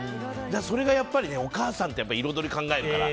それがやっぱりお母さんって彩り考えるから。